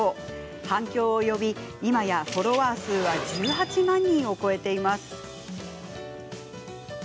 反響を呼び、今やフォロワー数は１８万人を超えています。